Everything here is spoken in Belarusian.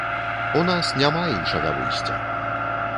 У нас няма іншага выйсця.